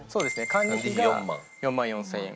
管理費が４万４０００円。